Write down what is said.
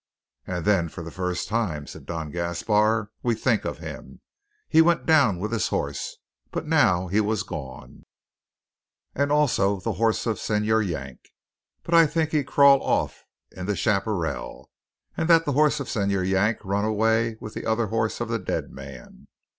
"And then, for the first time," said Don Gaspar, "we think of him. He went down with his horse. But now he was gone; and also the horse of Señor Yank. But I think he crawl off in the chaparral; and that the horse of Señor Yank run away with the other horse of the dead man."